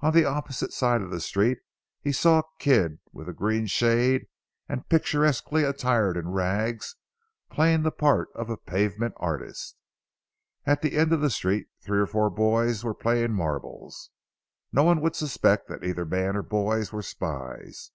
On the opposite side of the street he saw Kidd with a green shade and picturesquely attired in rags, playing the part of a pavement artist. At the end of the street three or four boys were playing marbles. No one would suspect that either man or boys were spies.